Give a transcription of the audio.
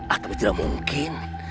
atau tidak mungkin